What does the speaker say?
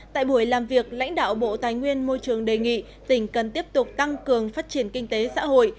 tại buổi làm việc lãnh đạo bộ tài nguyên môi trường đề nghị tỉnh cần tiếp tục tăng cường phát triển kinh tế xã hội